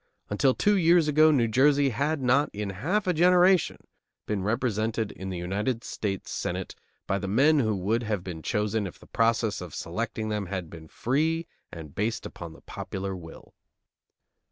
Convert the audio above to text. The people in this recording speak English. Until two years ago New Jersey had not in half a generation been represented in the United States Senate by the men who would have been chosen if the process of selecting them had been free and based upon the popular will.